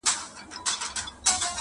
حیوانان له وهمه تښتي خپل پردی سي.!